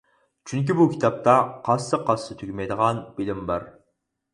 چۈنكى بۇ كىتابتا قازسا-قازسا تۈگىمەيدىغان بىلىم بار.